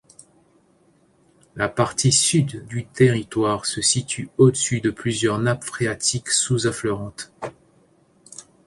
La partie sud du territoire se situe au-dessus de plusieurs nappes phréatiques sous-affleurantes.